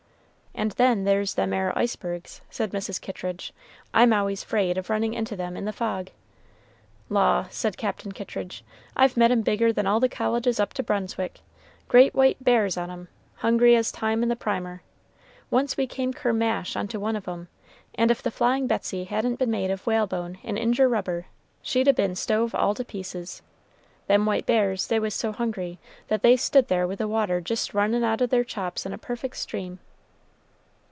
"And then there's them 'ere icebergs," said Mrs. Kittridge; "I'm always 'fraid of running into them in the fog." "Law!" said Captain Kittridge, "I've met 'em bigger than all the colleges up to Brunswick, great white bears on 'em, hungry as Time in the Primer. Once we came kersmash on to one of 'em, and if the Flying Betsey hadn't been made of whalebone and injer rubber, she'd a been stove all to pieces. Them white bears, they was so hungry, that they stood there with the water jist runnin' out of their chops in a perfect stream."